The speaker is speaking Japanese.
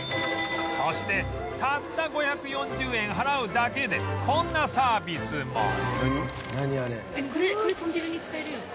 そしてたった５４０円払うだけでこんなサービスも